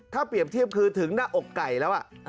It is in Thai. ถ้าเปรียบเทียบคือถึงหน้าอกไก่แล้ว